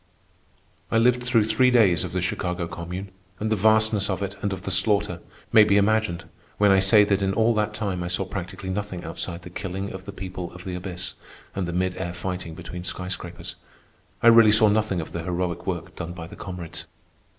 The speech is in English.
I lived through three days of the Chicago Commune, and the vastness of it and of the slaughter may be imagined when I say that in all that time I saw practically nothing outside the killing of the people of the abyss and the mid air fighting between sky scrapers. I really saw nothing of the heroic work done by the comrades.